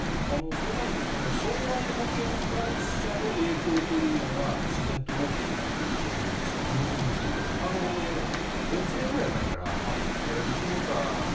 そうなると、この損害保険会社の影響というのが、自然と大きくなっていくと思うんですが、１年ぐらい前から、ビッグモーターの、